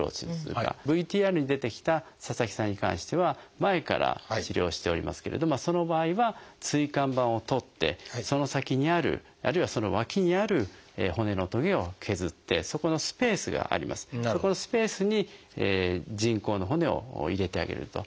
ＶＴＲに出てきた佐々木さんに関しては前から治療しておりますけれどその場合は椎間板を取ってその先にあるあるいはその脇にある骨のトゲを削ってそこのスペースがありますのでそこのスペースに人工の骨を入れてあげると。